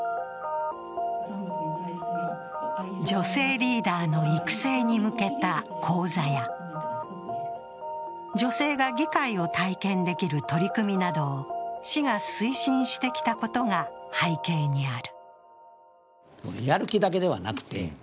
女性リーダーの育成に向けた講座や女性が議会を体験できる取り組みなどを市が推進してきたことが背景にある。